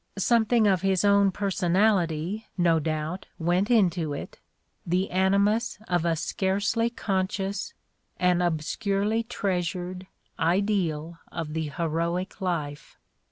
Something of his own personality, no doubt, went into it, the animus of a scarcely conscious, an obscurely treasured, ideal of the heroic life.